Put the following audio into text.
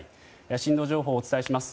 震度情報をお伝えします。